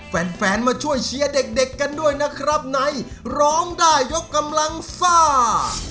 แฟนมาช่วยเชียร์เด็กกันด้วยนะครับในร้องได้ยกกำลังซ่า